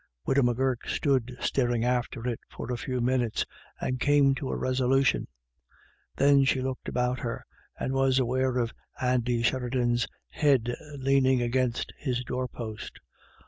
Widow M'Gurk stood staring after it for a few minutes, and came to a resolution. Then she looked about her, and was aware of Andy Sheri dan's head leaning against his doorpost.